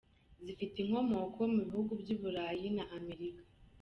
Zifite inkomoko mu bihugu by’Uburayi n’Amerika.